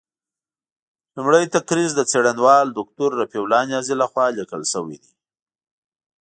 لومړۍ تقریض د څېړنوال دوکتور رفیع الله نیازي له خوا لیکل شوی دی.